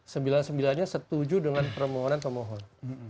sembilan sembilannya setuju dengan permohonan pemohon